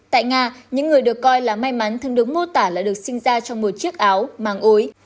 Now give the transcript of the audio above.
tại nga những người được coi là may mắn thường được mô tả lại được sinh ra trong một chiếc áo màng ối